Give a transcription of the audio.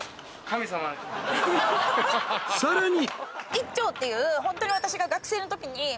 ［さらに